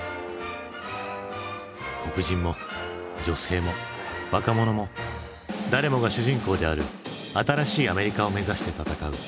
黒人も女性も若者も誰もが主人公である新しいアメリカを目指して闘う